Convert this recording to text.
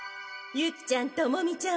ユキちゃんトモミちゃん